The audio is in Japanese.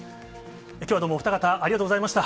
きょうはどうもお二方、ありがとうございました。